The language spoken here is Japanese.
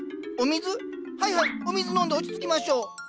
はいはいお水飲んで落ち着きましょう。